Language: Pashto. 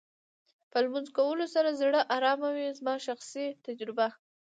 په لمونځ کولو سره زړه ارامه وې زما شخصي تجربه.